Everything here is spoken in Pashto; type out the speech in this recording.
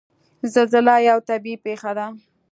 زلزله یوه طبعي پېښه ده.